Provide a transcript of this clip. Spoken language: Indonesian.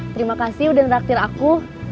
terima kasih udah interaktir aku